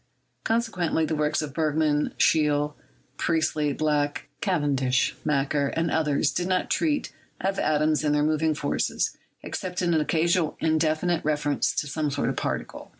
Consequently the works of Bergman, Scheele, Priestley, Black, Cavendish, Macquer, and others do not treat of atoms and their moving forces, except in an occasional indefinite reference to some sort of particle.